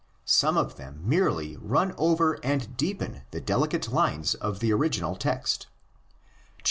Some of them merely run over and deepen the delicate lines of the original text: xviii.